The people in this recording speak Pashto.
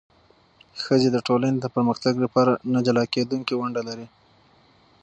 ښځې د ټولنې د پرمختګ لپاره نه جلا کېدونکې ونډه لري.